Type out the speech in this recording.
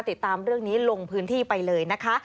ติดตามเรื่องนี้ลงพื้นที่ไปเลยนะคะ